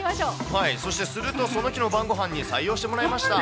そして、するとその日の晩ごはんに採用してもらいました。